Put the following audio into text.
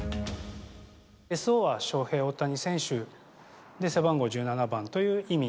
ＳＯはショウヘイ・オオタニ選手、背番号１７番という意味。